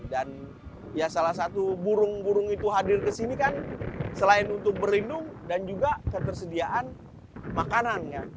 dan ya salah satu burung burung itu hadir ke sini kan selain untuk berlindung dan juga ketersediaan makanan ya